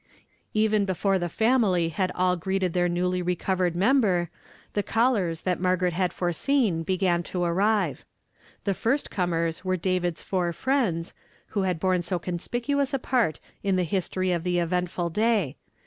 Even before the family had all greeted their newly recovered member, the callei^ that Margaret had foreseen began to arrive. The fii st comers were David's four friends, who had borne so con spicuous a part in the history of the eventful day.